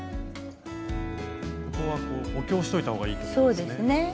ここは補強しといた方がいいですね。